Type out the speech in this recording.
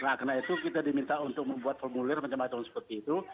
nah karena itu kita diminta untuk membuat formulir macam macam seperti itu